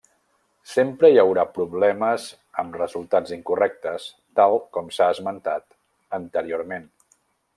Sempre hi haurà problemes amb resultats incorrectes tal com s'ha esmentat anteriorment.